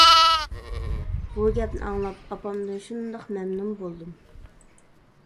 بۇ گەپنى ئاڭلاپ ئاپامدىن شۇنداق مەمنۇن بولدۇم.